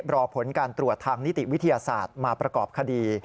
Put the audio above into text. รอผลการตรวจทางนิติวิทยาศาสตร์มาประกอบคดี